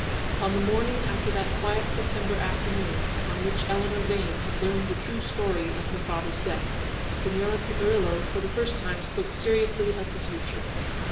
Upon the morning after that quiet September afternoon on which Eleanor Vane had learned the true story of her father's death, Signora Picirillo for the first time spoke seriously of the future.